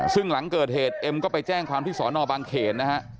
ซึ่งหลังเกิดเหตุเอ็มก็ไปแจ้งความที่สอนอบางเขนนะฮะ